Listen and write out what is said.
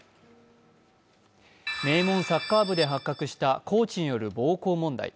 名門サッカー部で発覚したコーチによる暴行問題。